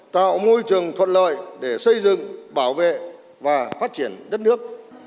tạo môi trường thuận lợi để xây dựng bảo vệ và phát triển đất nước